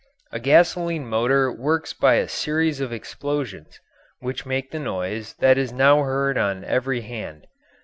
A gasoline motor works by a series of explosions, which make the noise that is now heard on every hand.